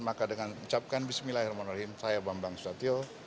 maka dengan ucapkan bismillahirrahmanirrahim saya bambang susatyo